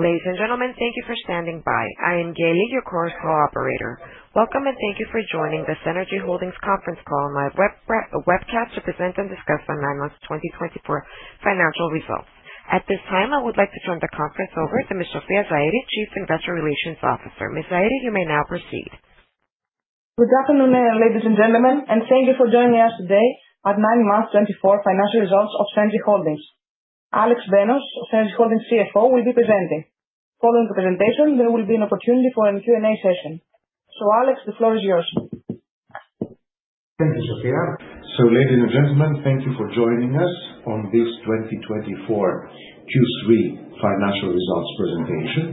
Ladies and gentlemen, thank you for standing by. I am Gaeli, your core call operator. Welcome and thank you for joining the Cenergy Holdings conference call on my webcast to present and discuss the nine-month 2024 financial results. At this time, I would like to turn the conference over to Ms. Sofia Zairi, Chief Investor Relations Officer. Ms. Zairi, you may now proceed. Good afternoon, ladies and gentlemen, and thank you for joining us today at nine-month 2024 financial results of Cenergy Holdings. Alex Benos, Cenergy Holdings CFO, will be presenting. Following the presentation, there will be an opportunity for a Q&A session. So, Alex, the floor is yours. Thank you, Sofia. So, ladies and gentlemen, thank you for joining us on this 2024 Q3 financial results presentation.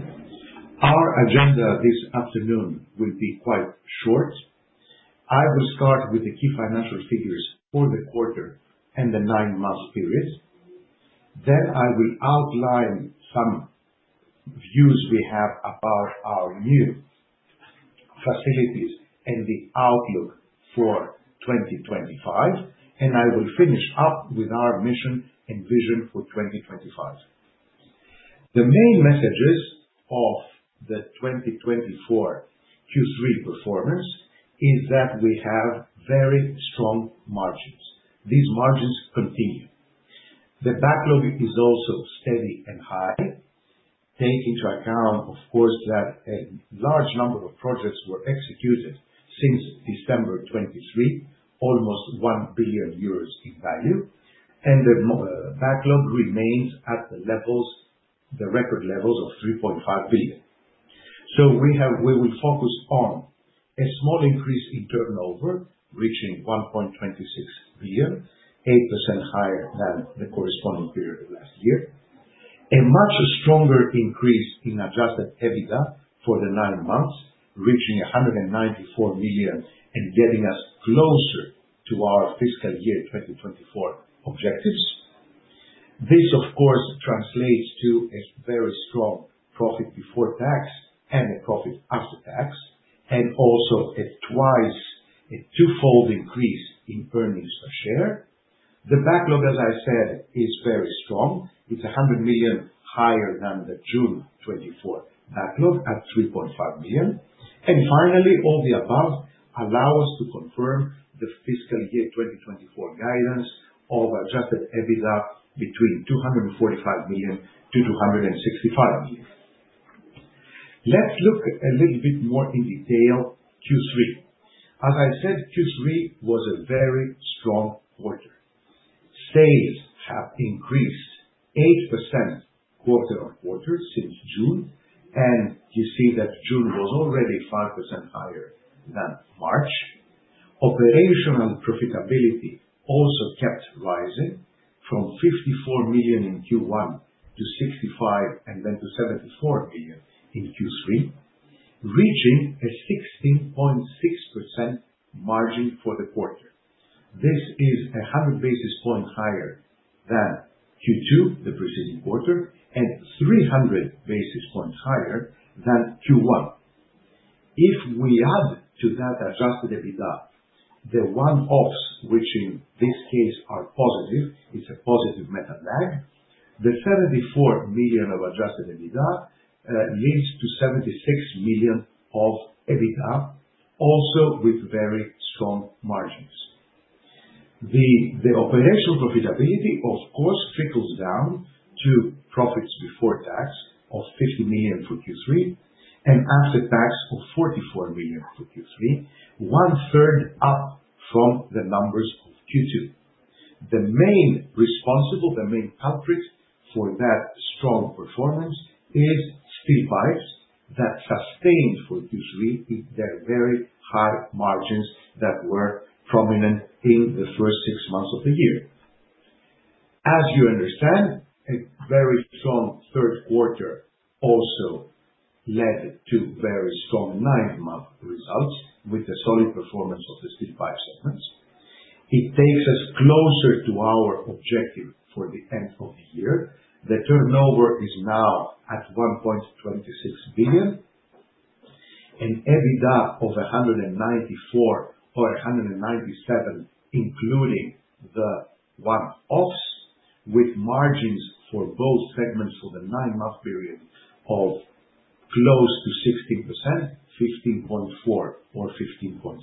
Our agenda this afternoon will be quite short. I will start with the key financial figures for the quarter and the 9-month period. Then I will outline some views we have about our new facilities and the outlook for 2025, and I will finish up with our mission and vision for 2025. The main messages of the 2024 Q3 performance are that we have very strong margins. These margins continue. The backlog is also steady and high, taking into account, of course, that a large number of projects were executed since December 2023, almost 1 billion euros in value, and the backlog remains at the record levels of 3.5 billion. We will focus on a small increase in turnover, reaching 1.26 billion, 8% higher than the corresponding period last year, a much stronger increase in Adjusted EBITDA for the nine months, reaching 194 million and getting us closer to our fiscal year 2024 objectives. This, of course, translates to a very strong profit before tax and a profit after tax, and also a twofold increase in earnings per share. The backlog, as I said, is very strong. It's 100 million higher than the June 2024 backlog at 3.5 million. And finally, all the above allow us to confirm the fiscal year 2024 guidance of Adjusted EBITDA between 245 million to 265 million. Let's look a little bit more in detail at Q3. As I said, Q3 was a very strong quarter. Sales have increased 8% quarter on quarter since June, and you see that June was already 5% higher than March. Operational profitability also kept rising from 54 million in Q1 to 65 and then to 74 million in Q3, reaching a 16.6% margin for the quarter. This is 100 basis points higher than Q2, the preceding quarter, and 300 basis points higher than Q1. If we add to that adjusted EBITDA, the one-offs, which in this case are positive, it's a positive metal price lag, the 74 million of adjusted EBITDA leads to 76 million of EBITDA, also with very strong margins. The operational profitability, of course, trickles down to profits before tax of 50 million for Q3 and after tax of 44 million for Q3, one-third up from the numbers of Q2. The main responsible, the main culprit for that strong performance is steel pipes that sustained for Q3 their very high margins that were prominent in the first six months of the year. As you understand, a very strong third quarter also led to very strong 9-month results with the solid performance of the steel pipe segments. It takes us closer to our objective for the end of the year. The turnover is now at 1.26 billion, an EBITDA of 194 or 197 including the one-offs, with margins for both segments for the 9-month period of close to 16%, 15.4 or 15.6%,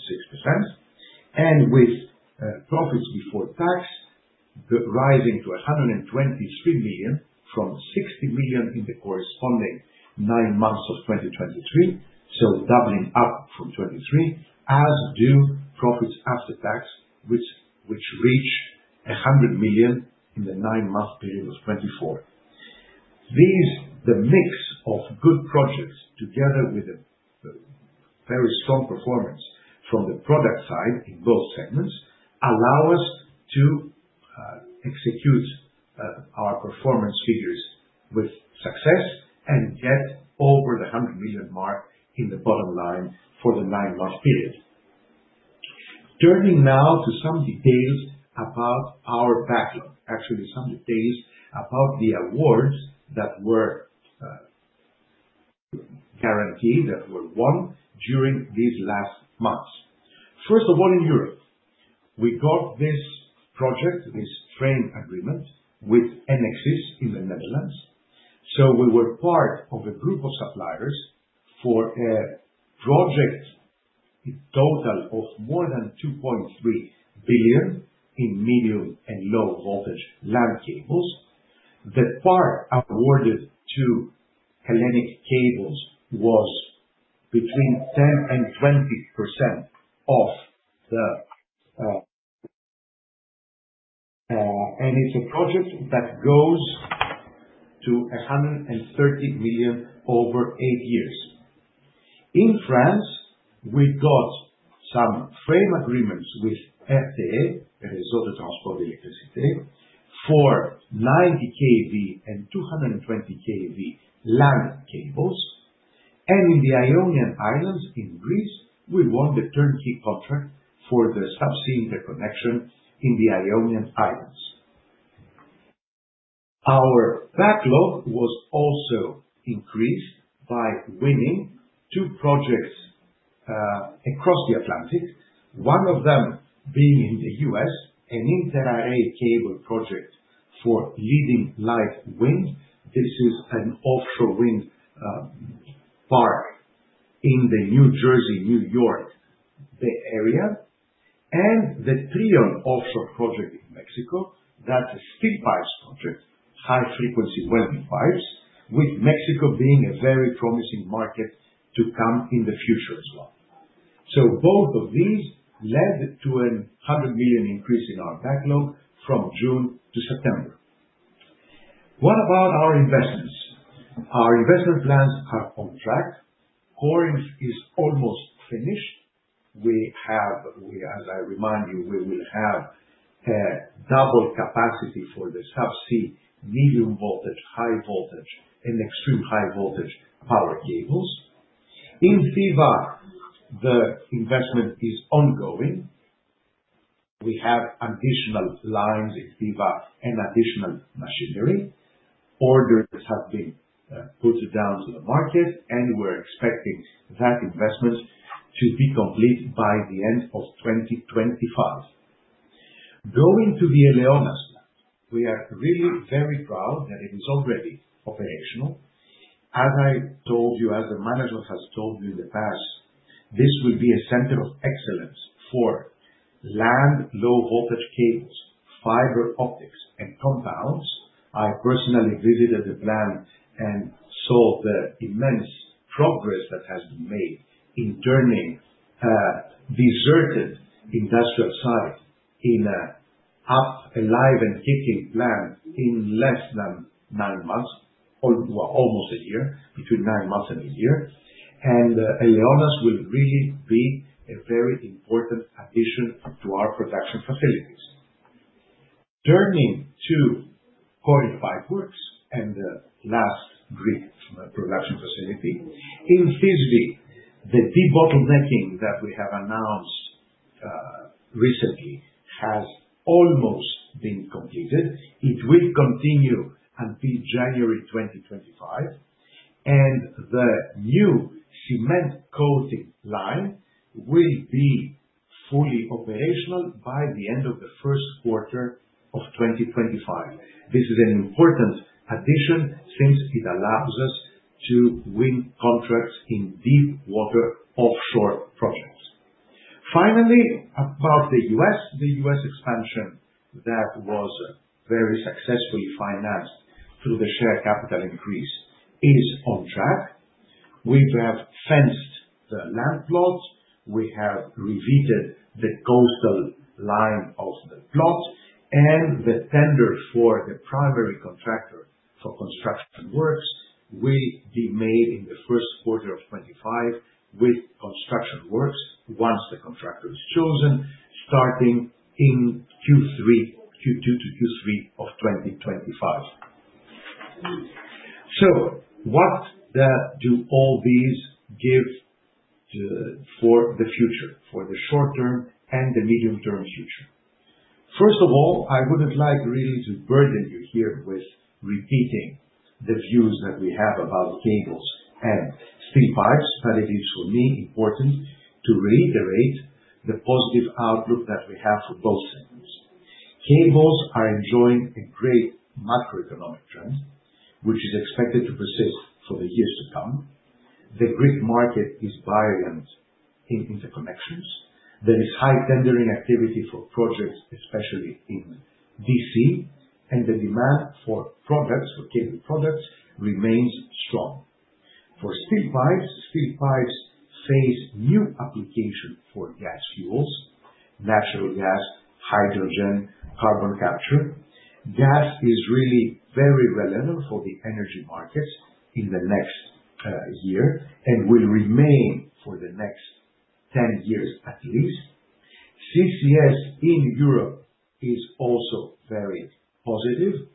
and with profits before tax rising to 123 million from 60 million in the corresponding 9 months of 2023, so doubling up from 2023, as do profits after tax, which reach 100 million in the 9-month period of 2024. The mix of good projects together with a very strong performance from the product side in both segments allows us to execute our performance figures with success and get over the € 100 million mark in the bottom line for the 9-month period. Turning now to some details about our backlog, actually some details about the awards that were guaranteed, that were won during these last months. First of all, in Europe, we got this project, this frame agreement with Enexis in the Netherlands. So we were part of a group of suppliers for a project in total of more than € 2.3 billion in medium and low voltage land cables. The part awarded to Hellenic Cables was between 10% and 20% of the. And it's a project that goes to € 130 million over eight years. In France, we got some frame agreements with RTE, Réseau de Transport d'Électricité, for 90 kV and 220 kV land cables, and in the Ionian Islands in Greece, we won the turnkey contract for the subsea interconnection in the Ionian Islands. Our backlog was also increased by winning two projects across the Atlantic, one of them being in the U.S., an inter-array cable project for Leading Light Wind. This is an offshore wind park in the New Jersey, New York area, and the Trion offshore project in Mexico, that's a steel pipes project, high-frequency welded pipes, with Mexico being a very promising market to come in the future as well. So both of these led to a 100 million increase in our backlog from June to September. What about our investments? Our investment plans are on track. Corinth is almost finished. We have, as I remind you, we will have a double capacity for the subsea medium voltage, high voltage, and extreme high voltage power cables. In Thiva, the investment is ongoing. We have additional lines in Thiva and additional machinery. Orders have been put down to the market, and we're expecting that investment to be complete by the end of 2025. Going to the Eleonas, we are really very proud that it is already operational. As I told you, as the manager has told you in the past, this will be a center of excellence for land, low voltage cables, fiber optics, and compounds. I personally visited the plant and saw the immense progress that has been made in turning a deserted industrial site in a live and kicking plant in less than nine months, or almost a year, between nine months and a year. And Eleonas will really be a very important addition to our production facilities. Turning to Corinth Pipeworks and the last Greek production facility in Thisvi, the debottlenecking that we have announced recently has almost been completed. It will continue until January 2025, and the new cement coating line will be fully operational by the end of the first quarter of 2025. This is an important addition since it allows us to win contracts in deep water offshore projects. Finally, about the U.S., the U.S. expansion that was very successfully financed through the share capital increase is on track. We have fenced the land plots. We have revisited the coastal line of the plot, and the tender for the primary contractor for construction works will be made in the first quarter of 2025 with construction works once the contractor is chosen, starting in Q2 to Q3 of 2025. So what do all these give for the future, for the short term and the medium term future? First of all, I wouldn't like really to burden you here with repeating the views that we have about cables and steel pipes, but it is for me important to reiterate the positive outlook that we have for both segments. Cables are enjoying a great macroeconomic trend, which is expected to persist for the years to come. The Greek market is vibrant in interconnections. There is high tendering activity for projects, especially in DC, and the demand for products, for cable products, remains strong. For steel pipes, steel pipes face new applications for gas fuels, natural gas, hydrogen, carbon capture. Gas is really very relevant for the energy markets in the next year and will remain for the next 10 years at least. CCS in Europe is also very positive.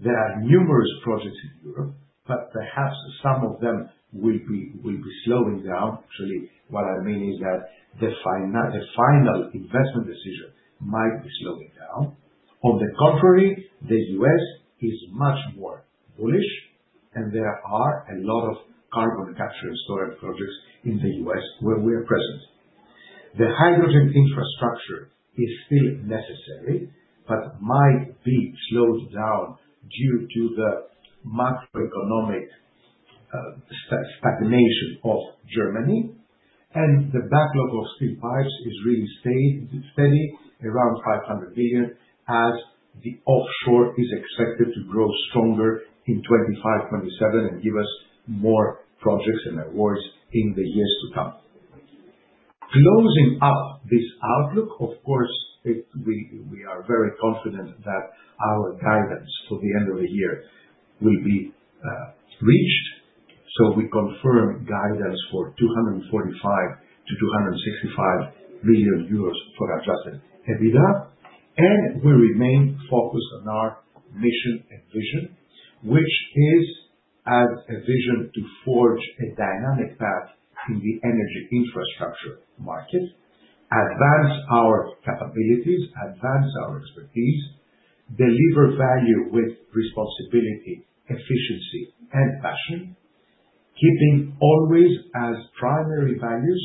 There are numerous projects in Europe, but perhaps some of them will be slowing down. Actually, what I mean is that the Final Investment Decision might be slowing down. On the contrary, the U.S. is much more bullish, and there are a lot of carbon capture and storage projects in the U.S. where we are present. The hydrogen infrastructure is still necessary, but might be slowed down due to the macroeconomic stagnation of Germany, and the backlog of steel pipes is really steady, around 500 million, as the offshore is expected to grow stronger in 2025, 2027, and give us more projects and awards in the years to come. Closing up this outlook, of course, we are very confident that our guidance for the end of the year will be reached. We confirm guidance for €245-€265 million for Adjusted EBITDA, and we remain focused on our mission and vision, which is as a vision to forge a dynamic path in the energy infrastructure market, advance our capabilities, advance our expertise, deliver value with responsibility, efficiency, and passion, keeping always as primary values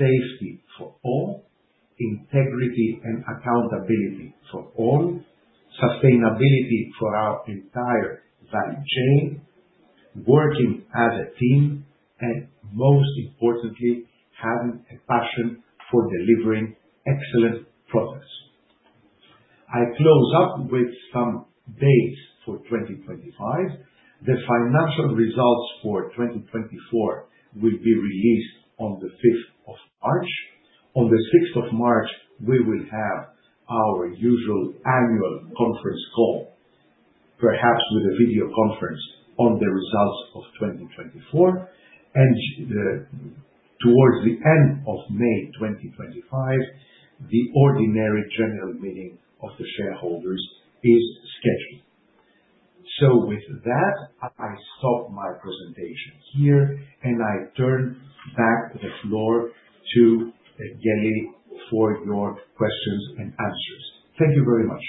safety for all, integrity and accountability for all, sustainability for our entire value chain, working as a team, and most importantly, having a passion for delivering excellent products. I close up with some dates for 2025. The financial results for 2024 will be released on the 5th of March. On the 6th of March, we will have our usual annual conference call, perhaps with a video conference on the results of 2024. Towards the end of May 2025, the ordinary general meeting of the shareholders is scheduled. So with that, I stop my presentation here, and I turn back the floor to Gaeli for your questions and answers. Thank you very much.